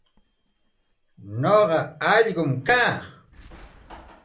Nuqa ullqum kaa.